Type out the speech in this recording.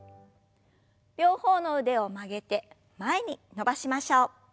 両方の腕を曲げて前に伸ばしましょう。